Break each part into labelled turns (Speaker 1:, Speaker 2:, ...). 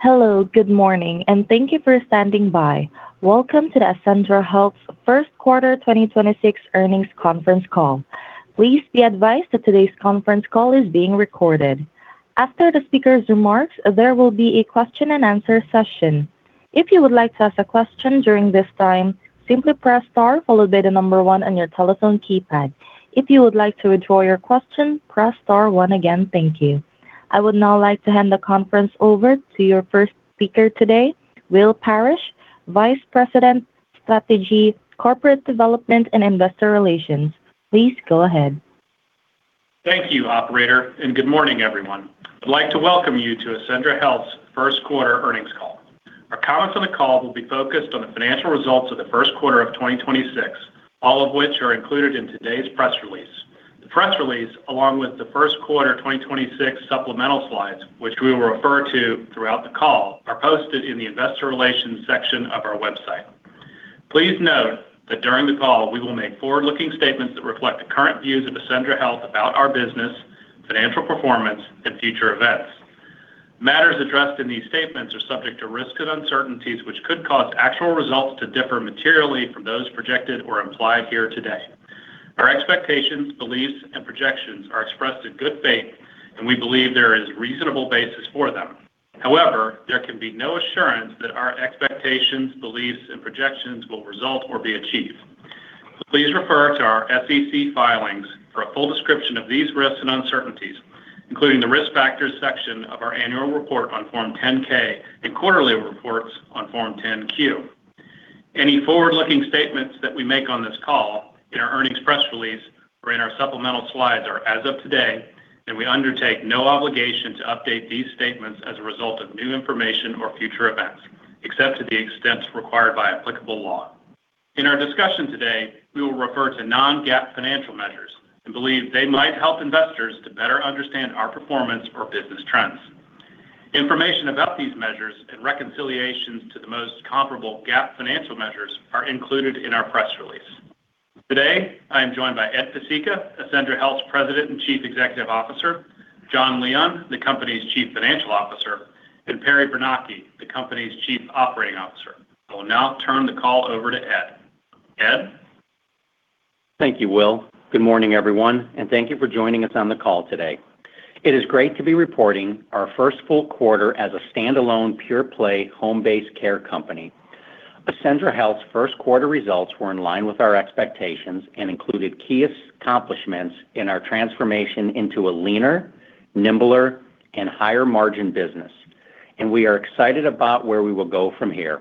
Speaker 1: Hello, good morning, and thank you for standing by. Welcome to the Accendra Health first quarter 2026 earnings conference call. Please be advised that today's conference call is being recorded. After the speaker's remarks, there will be a question-and-answer session. If you would like to ask a question during this time, simply press star followed by the number one on your telephone keypad. If you would like to withdraw your question, press star one again. Thank you. I would now like to hand the conference over to your first speaker today, Will Parish, Vice President, Strategy, Corporate Development, and Investor Relations. Please go ahead.
Speaker 2: Thank you, operator. Good morning, everyone. I'd like to welcome you to Accendra Health's first quarter earnings call. Our comments on the call will be focused on the financial results of the first quarter of 2026, all of which are included in today's press release. The press release, along with the first quarter 2026 supplemental slides, which we will refer to throughout the call, are posted in the investor relations section of our website. Please note that during the call, we will make forward-looking statements that reflect the current views of Accendra Health about our business, financial performance, and future events. Matters addressed in these statements are subject to risks and uncertainties which could cause actual results to differ materially from those projected or implied here today. Our expectations, beliefs, and projections are expressed in good faith. We believe there is reasonable basis for them. However, there can be no assurance that our expectations, beliefs, and projections will result or be achieved. Please refer to our SEC filings for a full description of these risks and uncertainties, including the Risk Factors section of our annual report on Form 10-K and quarterly reports on Form 10-Q. Any forward-looking statements that we make on this call, in our earnings press release, or in our supplemental slides are as of today, and we undertake no obligation to update these statements as a result of new information or future events, except to the extent required by applicable law. In our discussion today, we will refer to non-GAAP financial measures and believe they might help investors to better understand our performance or business trends. Information about these measures and reconciliations to the most comparable GAAP financial measures are included in our press release. Today, I am joined by Ed Pesicka, Accendra Health's President and Chief Executive Officer, Jon Leon, the company's Chief Financial Officer, and Perry Bernocchi, the company's Chief Operating Officer. I will now turn the call over to Ed. Ed?
Speaker 3: Thank you, Will. Good morning, everyone, and thank you for joining us on the call today. It is great to be reporting our first full quarter as a standalone pure-play home-based care company. Accendra Health's first quarter results were in line with our expectations and included key accomplishments in our transformation into a leaner, nimbler, and higher-margin business. We are excited about where we will go from here.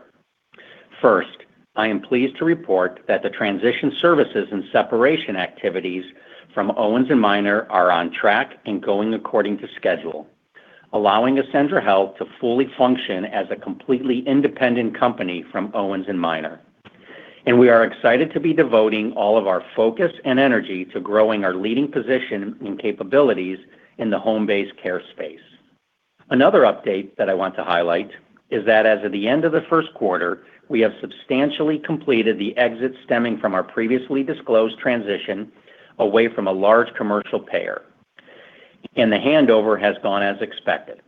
Speaker 3: First, I am pleased to report that the transition services and separation activities from Owens & Minor are on track and going according to schedule, allowing Accendra Health to fully function as a completely independent company from Owens & Minor. We are excited to be devoting all of our focus and energy to growing our leading position and capabilities in the home-based care space. Another update that I want to highlight is that as of the end of the first quarter, we have substantially completed the exit stemming from our previously disclosed transition away from a large commercial payer, and the handover has gone as expected,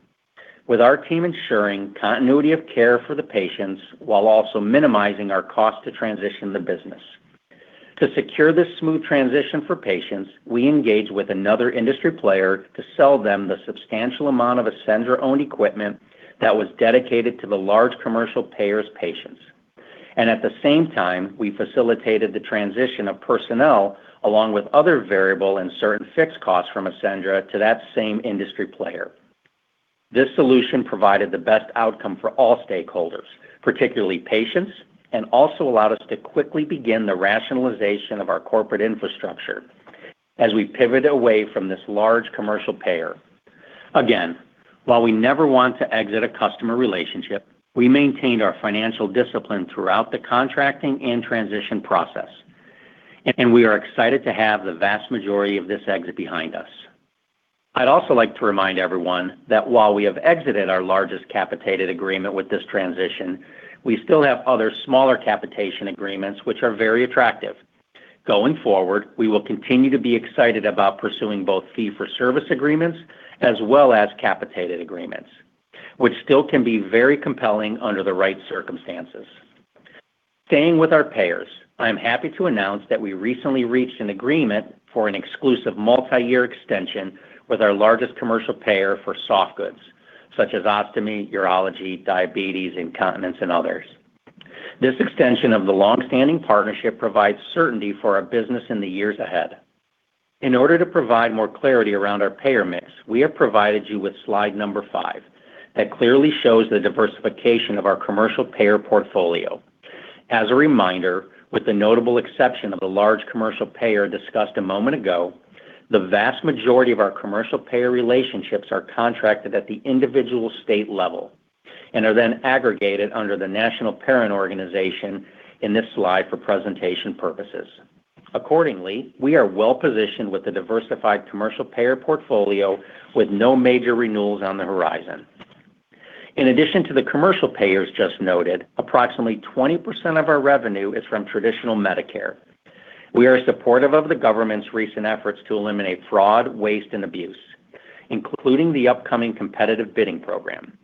Speaker 3: with our team ensuring continuity of care for the patients while also minimizing our cost to transition the business. To secure this smooth transition for patients, we engaged with another industry player to sell them the substantial amount of Accendra-owned equipment that was dedicated to the large commercial payer's patients. At the same time, we facilitated the transition of personnel along with other variable and certain fixed costs from Accendra to that same industry player. This solution provided the best outcome for all stakeholders, particularly patients, and also allowed us to quickly begin the rationalization of our corporate infrastructure as we pivot away from this large commercial payer. Again, while we never want to exit a customer relationship, we maintained our financial discipline throughout the contracting and transition process, and we are excited to have the vast majority of this exit behind us. I'd also like to remind everyone that while we have exited our largest capitated agreement with this transition, we still have other smaller capitation agreements which are very attractive. Going forward, we will continue to be excited about pursuing both fee-for-service agreements as well as capitated agreements, which still can be very compelling under the right circumstances. Staying with our payers, I am happy to announce that we recently reached an agreement for an exclusive multi-year extension with our largest commercial payer for soft goods, such as ostomy, urology, diabetes, incontinence, and others. This extension of the long-standing partnership provides certainty for our business in the years ahead. In order to provide more clarity around our payer mix, we have provided you with slide number 5 that clearly shows the diversification of our commercial payer portfolio. As a reminder, with the notable exception of the large commercial payer discussed a moment ago, the vast majority of our commercial payer relationships are contracted at the individual state level and are then aggregated under the national parent organization in this slide for presentation purposes. Accordingly, we are well-positioned with a diversified commercial payer portfolio with no major renewals on the horizon. In addition to the commercial payers just noted, approximately 20% of our revenue is from traditional Medicare. We are supportive of the government's recent efforts to eliminate fraud, waste, and abuse, including the upcoming Competitive Bidding Program.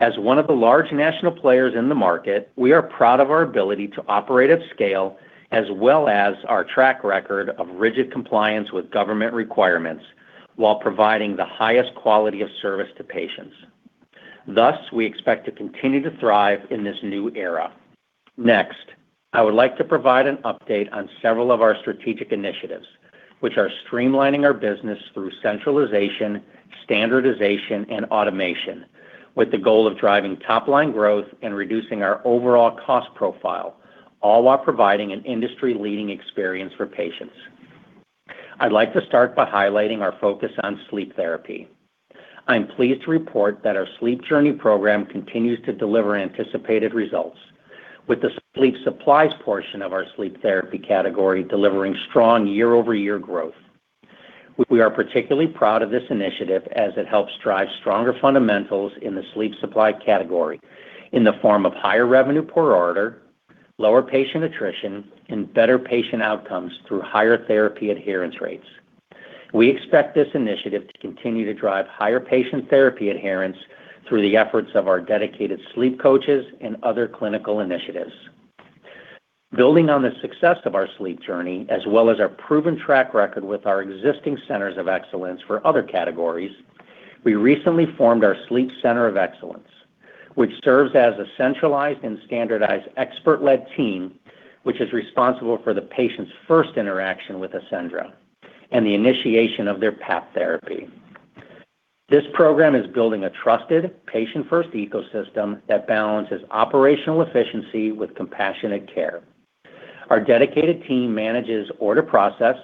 Speaker 3: As one of the large national players in the market, we are proud of our ability to operate at scale as well as our track record of rigid compliance with government requirements while providing the highest quality of service to patients. Thus, we expect to continue to thrive in this new era. Next, I would like to provide an update on several of our strategic initiatives, which are streamlining our business through centralization, standardization, and automation with the goal of driving top-line growth and reducing our overall cost profile, all while providing an industry-leading experience for patients. I'd like to start by highlighting our focus on sleep therapy. I'm pleased to report that our Sleep Journey program continues to deliver anticipated results with the sleep supplies portion of our sleep therapy category delivering strong year-over-year growth. We are particularly proud of this initiative as it helps drive stronger fundamentals in the sleep supply category in the form of higher revenue per order, lower patient attrition, and better patient outcomes through higher therapy adherence rates. We expect this initiative to continue to drive higher patient therapy adherence through the efforts of our dedicated sleep coaches and other clinical initiatives. Building on the success of our Sleep Journey, as well as our proven track record with our existing centers of excellence for other categories, we recently formed our Sleep Center of Excellence, which serves as a centralized and standardized expert-led team, which is responsible for the patient's first interaction with Accendra and the initiation of their PAP therapy. This program is building a trusted patient-first ecosystem that balances operational efficiency with compassionate care. Our dedicated team manages order process,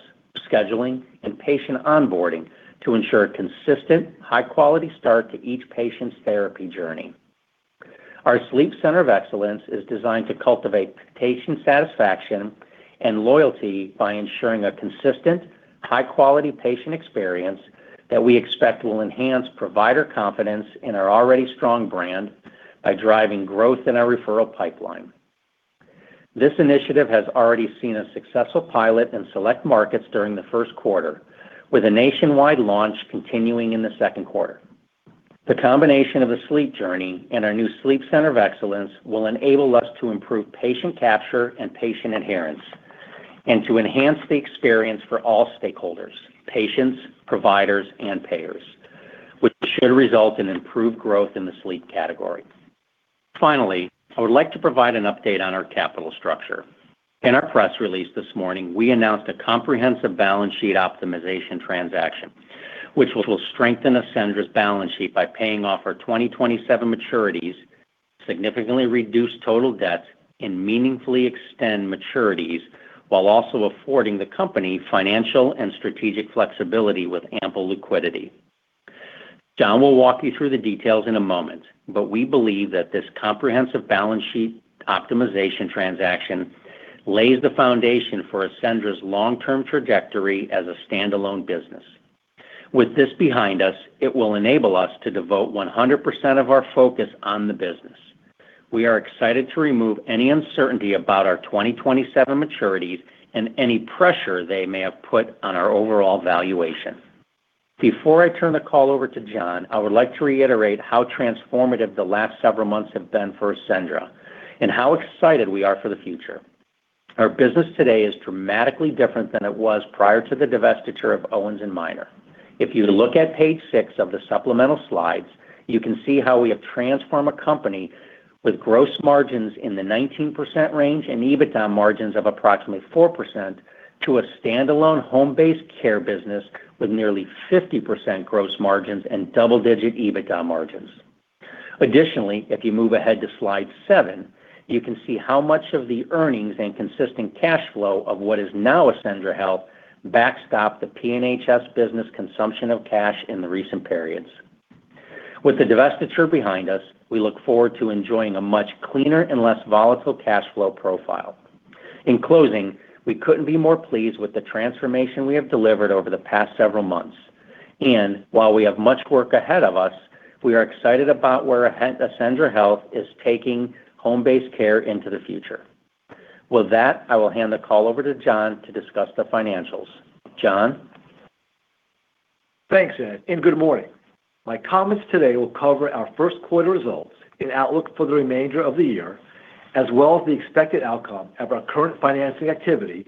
Speaker 3: scheduling, and patient onboarding to ensure a consistent high-quality start to each patient's therapy journey. Our Sleep Center of Excellence is designed to cultivate patient satisfaction and loyalty by ensuring a consistent high-quality patient experience that we expect will enhance provider confidence in our already strong brand by driving growth in our referral pipeline. This initiative has already seen a successful pilot in select markets during the first quarter with a nationwide launch continuing in the second quarter. The combination of the Sleep Journey and our new Sleep Center of Excellence will enable us to improve patient capture and patient adherence and to enhance the experience for all stakeholders, patients, providers, and payers, which should result in improved growth in the sleep category. Finally, I would like to provide an update on our capital structure. In our press release this morning, we announced a comprehensive balance sheet optimization transaction, which will strengthen Accendra's balance sheet by paying off our 2027 maturities, significantly reduce total debt, and meaningfully extend maturities, while also affording the company financial and strategic flexibility with ample liquidity. Jon will walk you through the details in a moment, but we believe that this comprehensive balance sheet optimization transaction lays the foundation for Accendra's long-term trajectory as a standalone business. With this behind us, it will enable us to devote 100% of our focus on the business. We are excited to remove any uncertainty about our 2027 maturities and any pressure they may have put on our overall valuation. Before I turn the call over to Jon, I would like to reiterate how transformative the last several months have been for Accendra and how excited we are for the future. Our business today is dramatically different than it was prior to the divestiture of Owens & Minor. If you look at page six of the supplemental slides, you can see how we have transformed a company with gross margins in the 19% range and EBITDA margins of approximately 4% to a standalone home-based care business with nearly 50% gross margins and double-digit EBITDA margins. If you move ahead to slide seven, you can see how much of the earnings and consistent cash flow of what is now Accendra Health backstop the P&HS business consumption of cash in the recent periods. With the divestiture behind us, we look forward to enjoying a much cleaner and less volatile cash flow profile. In closing, we couldn't be more pleased with the transformation we have delivered over the past several months. While we have much work ahead of us, we are excited about where Accendra Health is taking home-based care into the future. With that, I will hand the call over to Jon to discuss the financials. Jon?
Speaker 4: Thanks, Ed, good morning. My comments today will cover our first quarter results and outlook for the remainder of the year, as well as the expected outcome of our current financing activity,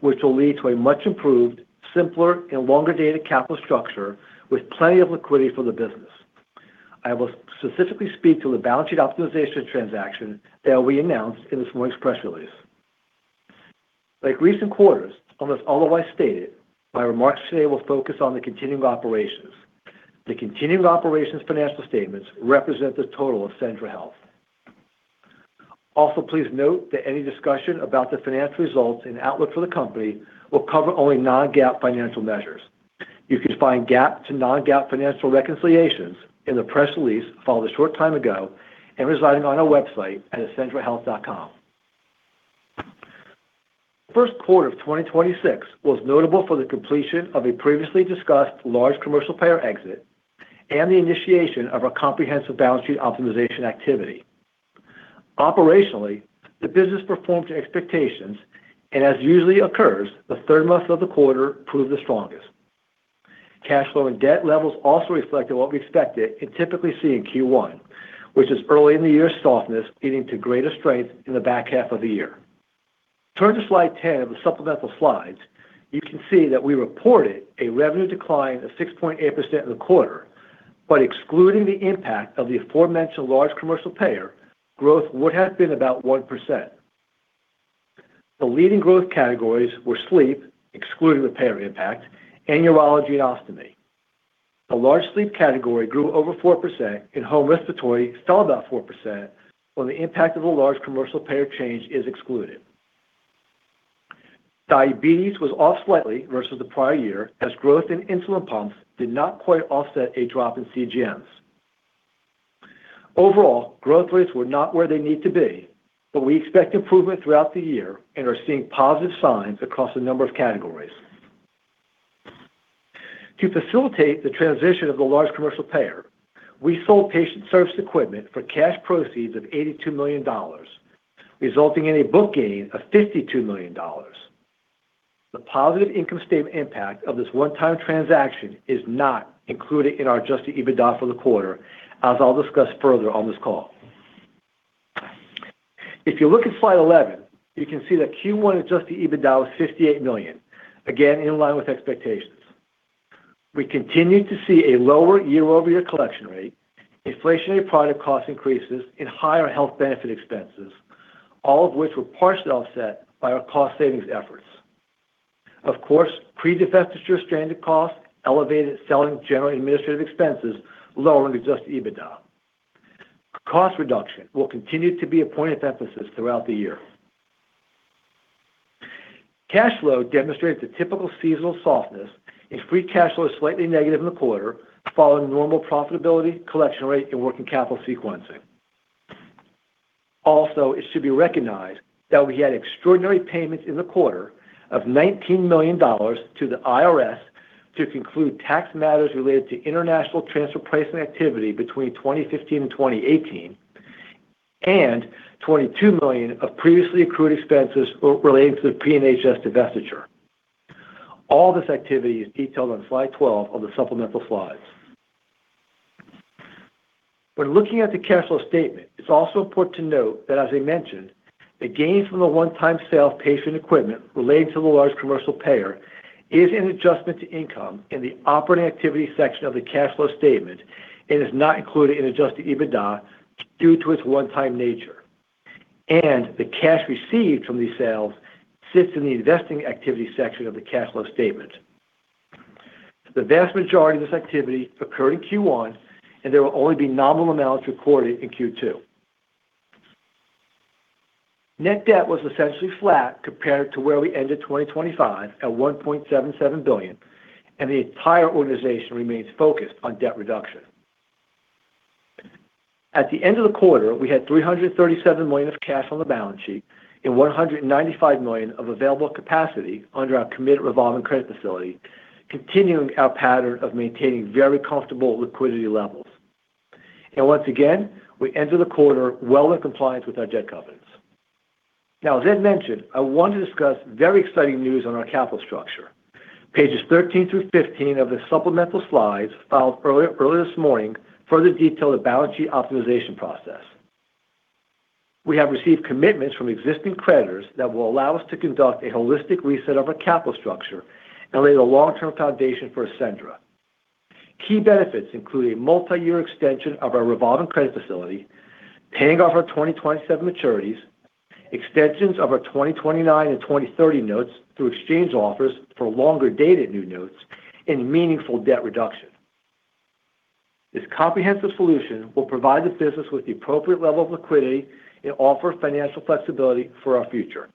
Speaker 4: which will lead to a much improved, simpler, and longer-dated capital structure with plenty of liquidity for the business. I will specifically speak to the balance sheet optimization transaction that we announced in this morning's press release. Like recent quarters, almost all otherwise stated, my remarks today will focus on the continuing operations. The continuing operations financial statements represent the total Accendra Health. Also, please note that any discussion about the financial results and outlook for the company will cover only non-GAAP financial measures. You can find GAAP to non-GAAP financial reconciliations in the press release filed a short time ago and residing on our website at accendrahealth.com. First quarter of 2026 was notable for the completion of a previously discussed large commercial payer exit and the initiation of our comprehensive balance sheet optimization activity. Operationally, the business performed to expectations, and as usually occurs, the third month of the quarter proved the strongest. Cash flow and debt levels also reflected what we expected and typically see in Q1, which is early in the year softness leading to greater strength in the back half of the year. Turn to slide 10 of the supplemental slides, you can see that we reported a revenue decline of 6.8% in the quarter, but excluding the impact of the aforementioned large commercial payer, growth would have been about 1%. The leading growth categories were sleep, excluding the payer impact, and urology and ostomy. The large sleep category grew over 4% and home respiratory fell about 4% when the impact of a large commercial payer change is excluded. Diabetes as off slightly versus the prior year as growth in insulin pumps did not quite offset a drop in CGMs. Overall, growth rates were not where they need to be, but we expect improvement throughout the year and are seeing positive signs across a number of categories. To facilitate the transition of the large commercial payer, we sold patient service equipment for cash proceeds of $82 million, resulting in a book gain of $52 million. The positive income statement impact of this one-time transaction is not included in our adjusted EBITDA for the quarter, as I'll discuss further on this call. If you look at slide 11, you can see that Q1 adjusted EBITDA was $58 million, again in line with expectations. We continue to see a lower year-over-year collection rate, inflationary product cost increases and higher health benefit expenses, all of which were partially offset by our cost savings efforts. Of course, pre-divestiture stranded costs elevated selling, general, and administrative expenses, lowering adjusted EBITDA. Cost reduction will continue to be a point of emphasis throughout the year. Cash flow demonstrates the typical seasonal softness and free cash flow is slightly negative in the quarter following normal profitability, collection rate, and working capital sequencing. Also, it should be recognized that we had extraordinary payments in the quarter of $19 million to the IRS to conclude tax matters related to international transfer pricing activity between 2015 and 2018, and $22 million of previously accrued expenses relating to the P&HS divestiture. All this activity is detailed on slide 12 of the supplemental slides. When looking at the cash flow statement, it is also important to note that, as I mentioned, the gains from the one-time sale of patient equipment relating to the large commercial payer is an adjustment to income in the operating activity section of the cash flow statement and is not included in adjusted EBITDA due to its one-time nature and the cash received from these sales sits in the investing activity section of the cash flow statement. The vast majority of this activity occurred in Q1, there will only be nominal amounts recorded in Q2. Net debt was essentially flat compared to where we ended 2025 at $1.77 billion, and the entire organization remains focused on debt reduction. At the end of the quarter, we had $337 million of cash on the balance sheet and $195 million of available capacity under our committed revolving credit facility, continuing our pattern of maintaining very comfortable liquidity levels. Once again, we enter the quarter well in compliance with our debt covenants. Now, as Ed mentioned, I want to discuss very exciting news on our capital structure. Pages 13 through 15 of the supplemental slides filed earlier this morning further detail the balance sheet optimization process. We have received commitments from existing creditors that will allow us to conduct a holistic reset of our capital structure and lay the long-term foundation for Accendra. Key benefits include a multi-year extension of our revolving credit facility, paying off our 2027 maturities, extensions of our 2029 and 2030 notes through exchange offers for longer dated new notes and meaningful debt reduction. This comprehensive solution will provide the business with the appropriate level of liquidity and offer financial flexibility for our future.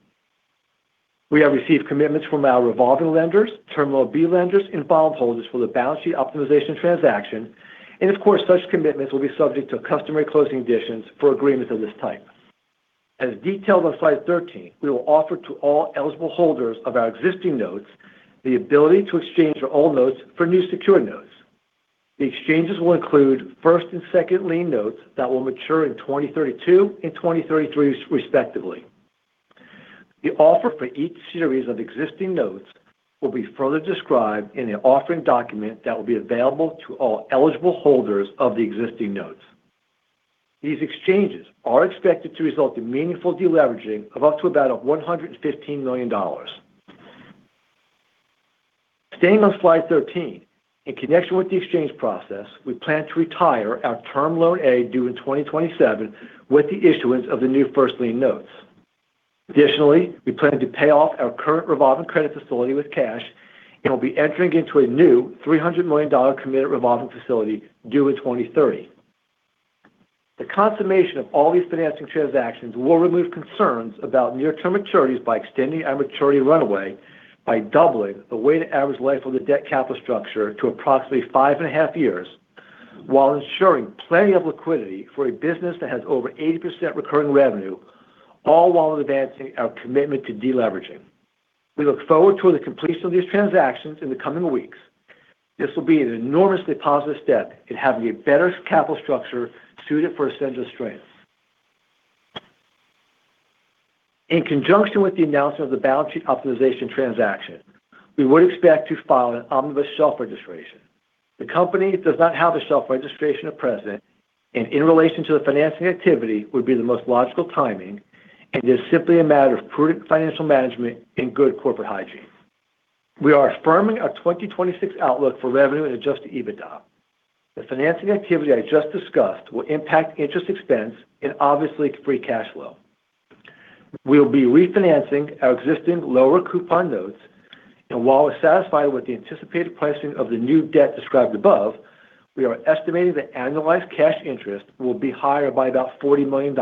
Speaker 4: We have received commitments from our revolving lenders, Term Loan B lenders and bond holders for the balance sheet optimization transaction. Of course, such commitments will be subject to customary closing additions for agreements of this type. As detailed on slide 13, we will offer to all eligible holders of our existing notes the ability to exchange their old notes for new secure notes. The exchanges will include first lien and second lien notes that will mature in 2032 and 2033 respectively. The offer for each series of existing notes will be further described in the offering document that will be available to all eligible holders of the existing notes. These exchanges are expected to result in meaningful deleveraging of up to about $115 million. Staying on slide 13, in connection with the exchange process, we plan to retire our Term Loan A due in 2027 with the issuance of the new first lien notes. Additionally, we plan to pay off our current revolving credit facility with cash and will be entering into a new $300 million committed revolving facility due in 2030. The consummation of all these financing transactions will remove concerns about near-term maturities by extending our maturity runway by doubling the weighted average life of the debt capital structure to approximately 5.5 years while ensuring plenty of liquidity for a business that has over 80% recurring revenue, all while advancing our commitment to deleveraging. We look forward to the completion of these transactions in the coming weeks. This will be an enormously positive step in having a better capital structure suited for Accendra's strength. In conjunction with the announcement of the balance sheet optimization transaction, we would expect to file an omnibus shelf registration. The company does not have a shelf registration at present, and in relation to the financing activity would be the most logical timing, and is simply a matter of prudent financial management and good corporate hygiene. We are affirming our 2026 outlook for revenue and adjusted EBITDA. The financing activity I just discussed will impact interest expense and obviously free cash flow. We'll be refinancing our existing lower coupon notes, and while we're satisfied with the anticipated pricing of the new debt described above, we are estimating the annualized cash interest will be higher by about $40 million.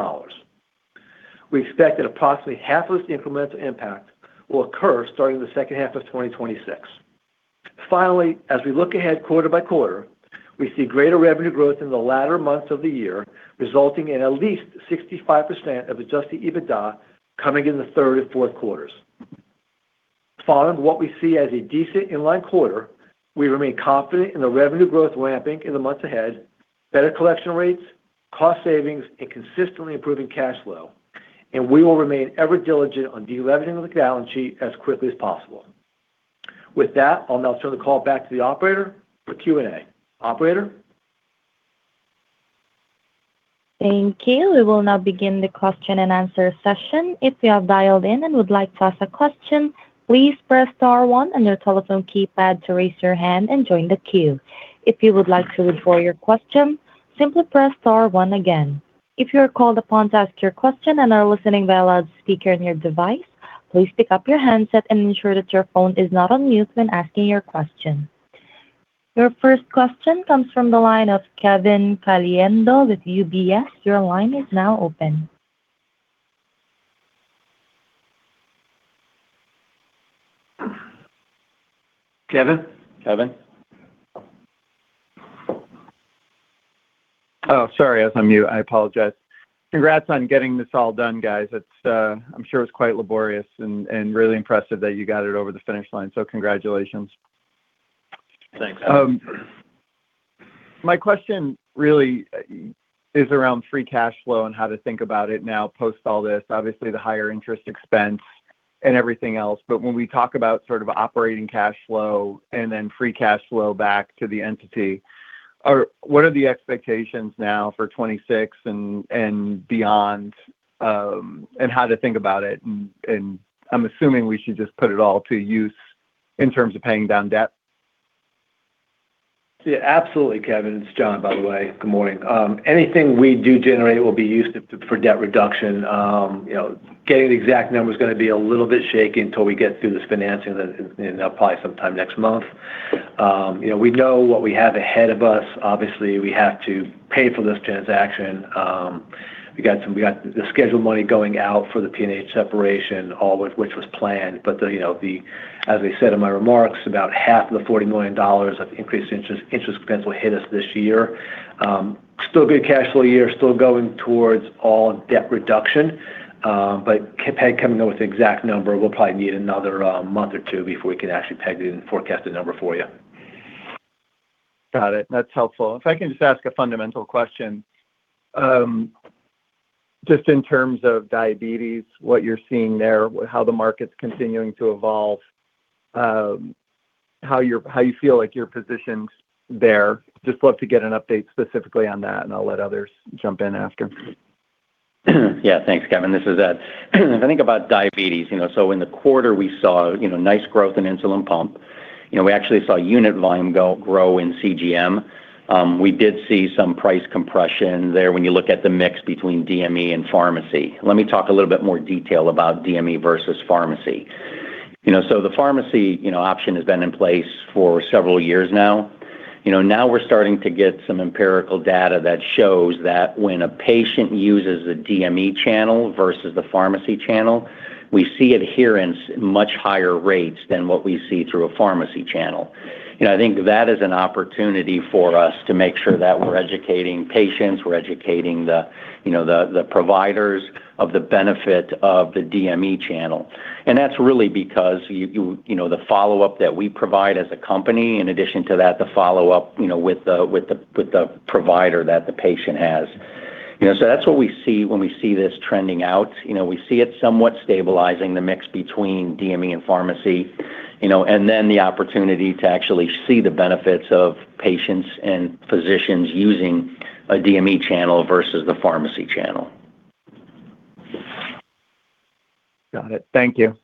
Speaker 4: We expect that approximately half of this incremental impact will occur starting the second half of 2026. Finally, as we look ahead quarter-by-quarter, we see greater revenue growth in the latter months of the year, resulting in at least 65% of adjusted EBITDA coming in the third and fourth quarters. Following what we see as a decent inline quarter, we remain confident in the revenue growth ramping in the months ahead, better collection rates, cost savings, and consistently improving cash flow. We will remain ever diligent on de-leveraging the balance sheet as quickly as possible. With that, I'll now turn the call back to the operator for Q&A. Operator?
Speaker 1: Thank you. We will now begin the question-and-answer session. If you have dialed in and would like to ask a question, please press star one on your telephone keypad to raise your hand and join the queue. If you would like to withdraw your question, simply press star one again. If you are called upon to ask your question and are listening via loudspeaker on your device, please pick up your handset and ensure that your phone is not on mute when asking your question. Your first question comes from the line of Kevin Caliendo with UBS. Your line is now open.
Speaker 2: Kevin?
Speaker 3: Kevin?
Speaker 5: Oh, sorry, I was on mute. I apologize. Congrats on getting this all done, guys. It's, I'm sure it was quite laborious and really impressive that you got it over the finish line, so congratulations.
Speaker 4: Thanks.
Speaker 5: My question really is around free cash flow and how to think about it now post all this. Obviously, the higher interest expense and everything else. When we talk about sort of operating cash flow and then free cash flow back to the entity, what are the expectations now for 2026 and beyond, and how to think about it? I'm assuming we should just put it all to use in terms of paying down debt.
Speaker 4: Yeah, absolutely, Kevin. It's Jon, by the way. Good morning. Anything we do generate will be used for debt reduction. You know, getting the exact number is going to be a little bit shaky until we get through this financing in probably sometime next month. You know, we know what we have ahead of us. Obviously, we have to pay for this transaction. We got the scheduled money going out for the P&HS separation, all of which was planned. As I said in my remarks, about half of the $40 million of increased interest expense will hit us this year. Still good cash flow year, still going towards all debt reduction. Coming up with the exact number, we'll probably need another month or two before we can actually peg it and forecast a number for you.
Speaker 5: Got it. That's helpful. If I can just ask a fundamental question. just in terms of diabetes, what you're seeing there, how the market's continuing to evolve, how you feel like your position's there. Just love to get an update specifically on that. I'll let others jump in after.
Speaker 3: Thanks, Kevin. This is Ed. If I think about diabetes, you know, in the quarter we saw, you know, nice growth in insulin pump. You know, we actually saw unit volume grow in CGM. We did see some price compression there when you look at the mix between DME and pharmacy. Let me talk a little bit more detail about DME versus pharmacy. You know, the pharmacy, you know, option has been in place for several years now. You know, now we're starting to get some empirical data that shows that when a patient uses a DME channel versus the pharmacy channel, we see adherence at much higher rates than what we see through a pharmacy channel. You know, I think that is an opportunity for us to make sure that we're educating patients, we're educating the, you know, the providers of the benefit of the DME channel and that's really because you know, the follow-up that we provide as a company, in addition to that, the follow-up, you know, with the, with the provider that the patient has. You know, that's what we see when we see this trending out. We see it somewhat stabilizing the mix between DME and pharmacy, you know, the opportunity to actually see the benefits of patients and physicians using a DME channel versus the pharmacy channel.
Speaker 5: Got it. Thank you.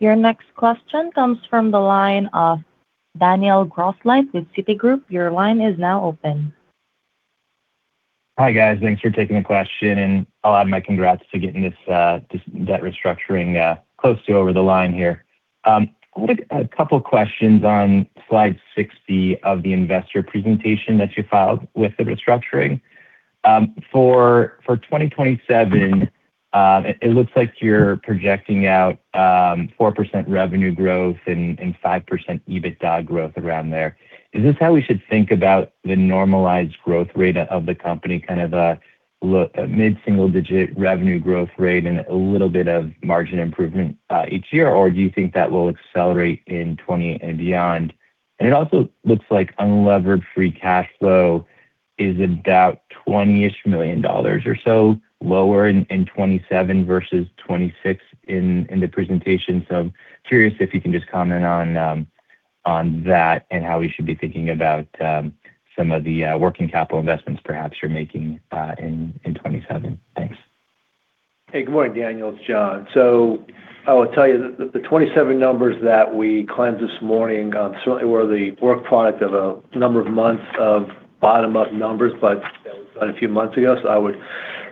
Speaker 1: Your next question comes from the line of Daniel Grosslight with Citigroup. Your line is now open.
Speaker 6: Hi, guys. Thanks for taking the question, and I'll add my congrats to getting this debt restructuring close to over the line here. I have a couple questions on slide 60 of the investor presentation that you filed with the restructuring. For 2027, it looks like you're projecting out 4% revenue growth and 5% EBITDA growth around there. Is this how we should think about the normalized growth rate of the company, kind of a mid-single digit revenue growth rate and a little bit of margin improvement each year or do you think that will accelerate in 2020 and beyond? It also looks like unlevered free cash flow is about $20-ish million or so lower in 2027 versus 2026 in the presentation. Curious if you can just comment on that and how we should be thinking about some of the working capital investments perhaps you're making in 2027.
Speaker 4: Hey, good morning, Daniel. It's Jon. I will tell you the 2027 numbers that we claimed this morning, certainly were the work product of a number of months of bottom-up numbers, but, you know, done a few months ago.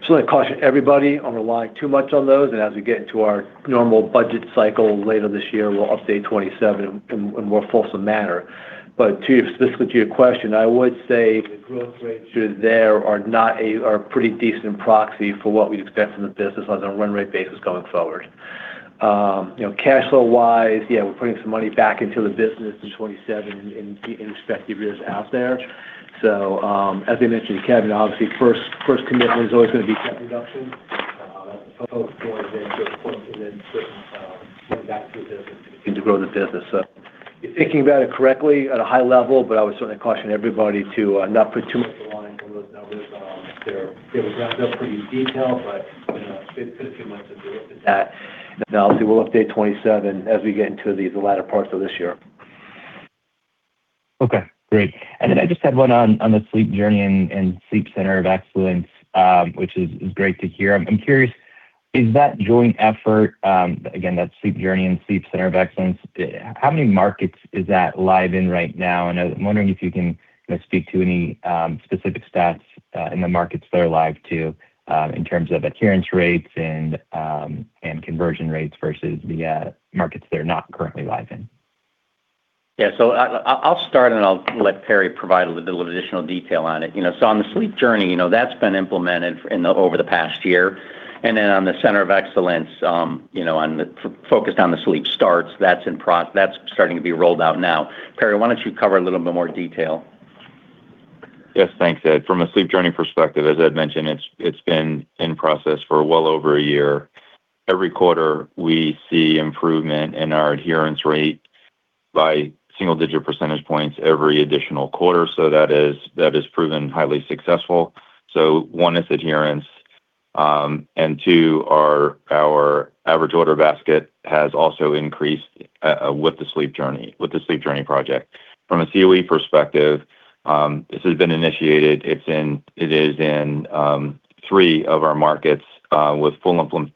Speaker 4: I would certainly caution everybody on relying too much on those. As we get into our normal budget cycle later this year, we'll update 2027 in a more fulsome manner. Specifically to your question, I would say the growth rates that are there are a pretty decent proxy for what we'd expect from the business on a run rate basis going forward. You know, cash flow-wise, yeah, we're putting some money back into the business in 2027 in expecting years out there. As I mentioned to Kevin, obviously, first commitment is always gonna be debt reduction. Hopefully going into a point and then putting back to the business to continue to grow the business. You're thinking about it correctly at a high level, but I would certainly caution everybody to not put too much relying on those numbers. They were wrapped up pretty detailed, but, you know, it's been a few months since we looked at that. Obviously, we'll update 2027 as we get into the latter parts of this year.
Speaker 6: Okay, great. Then I just had one on the Sleep Journey and Sleep Center of Excellence, which is great to hear. I'm curious, is that joint effort, again, that Sleep Journey and Sleep Center of Excellence, how many markets is that live in right now? I was wondering if you can kinda speak to any specific stats in the markets that are live too, in terms of adherence rates and conversion rates versus the markets that are not currently live in.
Speaker 3: Yeah. I'll start, and then I'll let Perry provide a little additional detail on it. You know, on the Sleep Journey, you know, that's been implemented over the past year. On the Center of Excellence, you know, focused on the sleep starts, that's starting to be rolled out now. Perry, why don't you cover a little bit more detail?
Speaker 7: Yes. Thanks, Ed. From a Sleep Journey perspective, as Ed mentioned, it's been in process for well over a year. Every quarter, we see improvement in our adherence rate by single-digit percentage points every additional quarter. That has proven highly successful. One is adherence. Two, our average order basket has also increased with the Sleep Journey project. From a CoE perspective, this has been initiated. It is in three of our markets with full implementation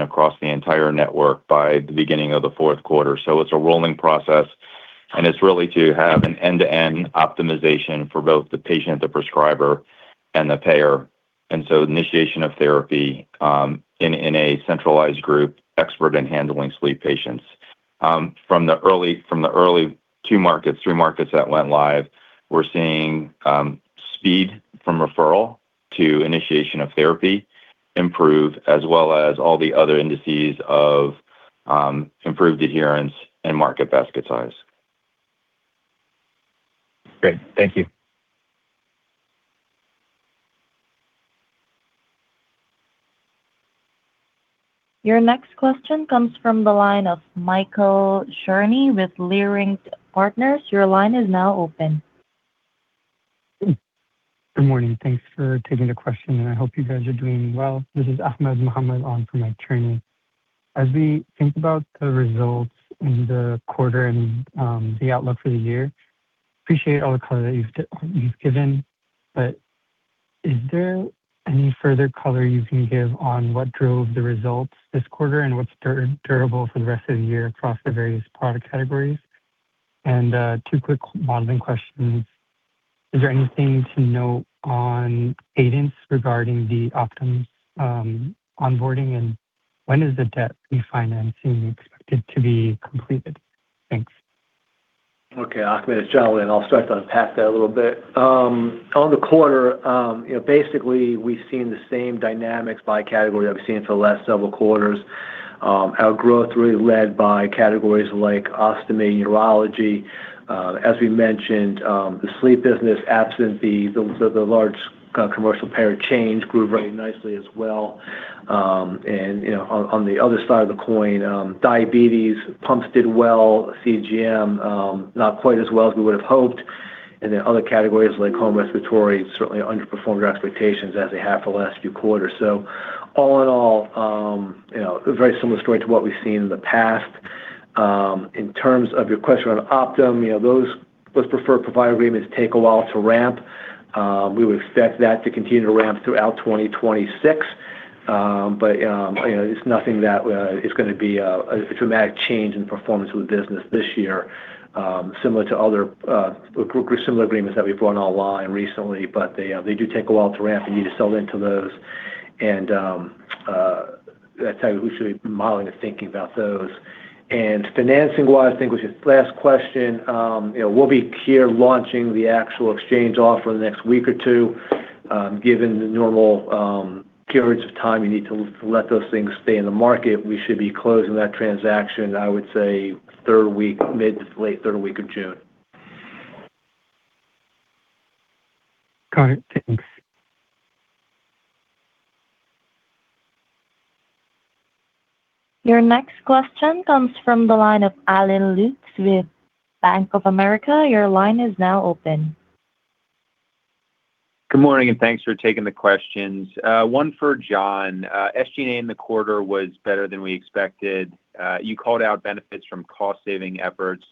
Speaker 7: across the entire network by the beginning of the fourth quarter. It's a rolling process, and it's really to have an end-to-end optimization for both the patient, the prescriber, and the payer. Initiation of therapy in a centralized group, expert in handling sleep patients. From the early two markets, three markets that went live, we're seeing speed from referral to initiation of therapy improve as well as all the other indices of improved adherence and market basket size.
Speaker 6: Great. Thank you.
Speaker 1: Your next question comes from the line of Michael Cherny with Leerink Partners. Your line is now open.
Speaker 8: Good morning. Thanks for taking the question, and I hope you guys are doing well. This is Ahmed Muhammad on for Mike Cherny. As we think about the results in the quarter and the outlook for the year, appreciate all the color that you've given. Is there any further color you can give on what drove the results this quarter and what's durable for the rest of the year across the various product categories? Two quick modeling questions. Is there anything to note on Aidance regarding the Optum onboarding and when is the debt refinancing expected to be completed? Thanks.
Speaker 4: Okay. Ahmed, it's Jon again. I'll start to unpack that a little bit. On the quarter, basically, we've seen the same dynamics by category that we've seen for the last several quarters. Our growth really led by categories like ostomy, urology. As we mentioned, absent the large commercial payer change, grew very nicely as well. On the other side of the coin, diabetes pumps did well. CGM, not quite as well as we would have hoped. Other categories like home respiratory certainly underperformed our expectations as they have for the last few quarters. All in all, a very similar story to what we've seen in the past. In terms of your question on Optum, you know, those preferred provider agreements take a while to ramp. We would expect that to continue to ramp throughout 2026. You know, it's nothing that is gonna be a dramatic change in performance of the business this year, similar to other group or similar agreements that we've won all along and recently but they do take a while to ramp. You need to sell into those. That's how we should be modeling the thinking about those. Financing-wise, I think was your last question, you know, we'll be here launching the actual exchange offer in the next week or two. Given the normal carriage of time you need to let those things stay in the market, we should be closing that transaction, I would say third week, mid to late third week of June.
Speaker 8: Got it. Thanks.
Speaker 1: Your next question comes from the line of Allen Lutz with Bank of America.
Speaker 9: Good morning, and thanks for taking the questions. One for Jon. SG&A in the quarter was better than we expected. You called out benefits from cost saving efforts.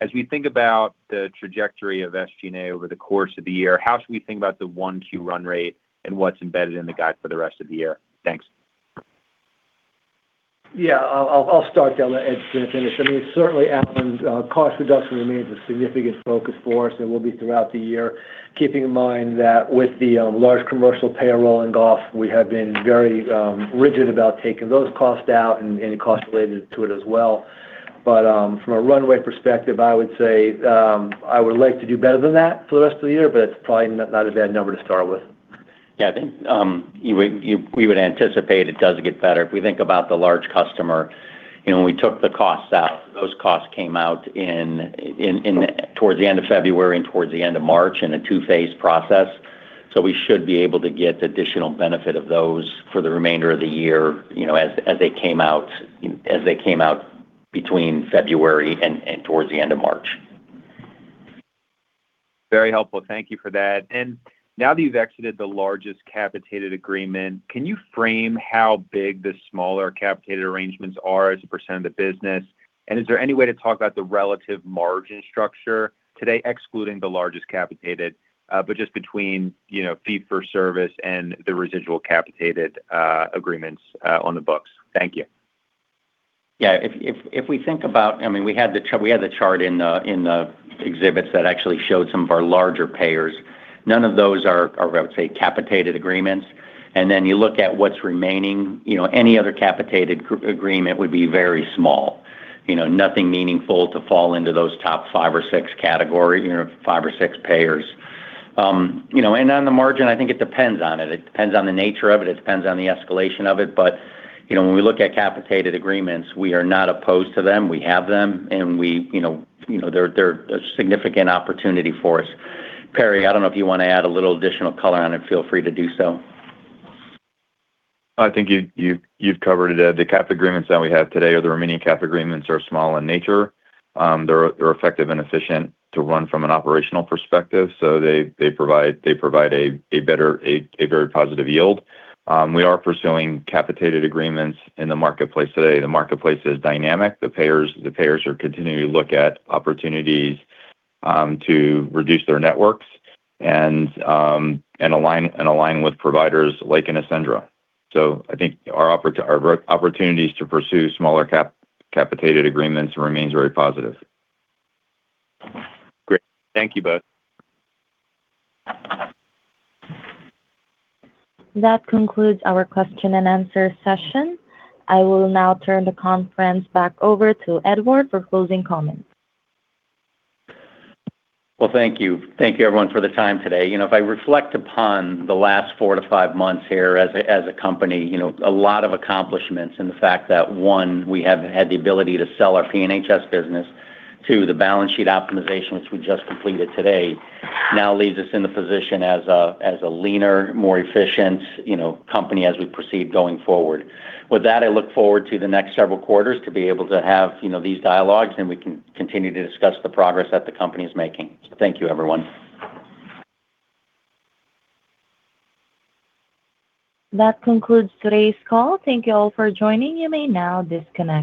Speaker 9: As we think about the trajectory of SG&A over the course of the year, how should we think about the 1Q run rate and what's embedded in the guide for the rest of the year? Thanks.
Speaker 4: Yeah. I'll start then let Ed finish. I mean, certainly Allen, cost reduction remains a significant focus for us and will be throughout the year. Keeping in mind that with the large commercial payroll in golf, we have been very rigid about taking those costs out and costs related to it as well. From a runway perspective, I would say, I would like to do better than that for the rest of the year, but it's probably not a bad number to start with.
Speaker 3: Yeah. I think, we would anticipate it does get better. If we think about the large customer, you know, when we took the costs out, those costs came out towards the end of February and towards the end of March in a two-phase process. We should be able to get additional benefit of those for the remainder of the year, you know, as they came out, you know, as they came out between February and towards the end of March.
Speaker 9: Very helpful. Thank you for that. Now that you've exited the largest capitated agreement, can you frame how big the smaller capitated arrangements are as a percent of the business? Is there any way to talk about the relative margin structure today excluding the largest capitated, but just between, you know, fee-for-service and the residual capitated agreements on the books? Thank you.
Speaker 3: Yeah. If we think about I mean, we had the chart in the exhibits that actually showed some of our larger payers. None of those are I would say capitated agreements and then you look at what's remaining, you know, any other capitated agreement would be very small. You know, nothing meaningful to fall into those top five or six category, you know, five or six payers. You know, and on the margin, I think it depends on it. It depends on the nature of it. It depends on the escalation of it. You know, when we look at capitated agreements, we are not opposed to them. We have them, and we, you know, they're a significant opportunity for us. Perry, I don't know if you wanna add a little additional color on it. Feel free to do so.
Speaker 7: I think you've covered it. The cap agreements that we have today or the remaining cap agreements are small in nature. They're effective and efficient to run from an operational perspective so they provide a very positive yield. We are pursuing capitated agreements in the marketplace today. The marketplace is dynamic. The payers are continuing to look at opportunities to reduce their networks and align with providers like Accendra. I think our opportunities to pursue smaller capitated agreements remains very positive.
Speaker 9: Great. Thank you both.
Speaker 1: That concludes our question-and-answer session. I will now turn the conference back over to Edward for closing comments.
Speaker 3: Well, thank you. Thank you everyone for the time today. You know, if I reflect upon the last four to five months here as a company, you know, a lot of accomplishments in the fact that, one, we have had the ability to sell our P&HS business. Teo, the balance sheet optimization, which we just completed today, now leaves us in the position as a leaner, more efficient, you know, company as we proceed going forward. With that, I look forward to the next several quarters to be able to have, you know, these dialogues, and we can continue to discuss the progress that the company is making. Thank you, everyone.
Speaker 1: That concludes today's call. Thank you all for joining. You may now disconnect.